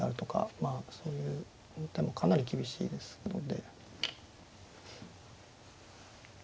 まあそういう手もかなり厳しいですので。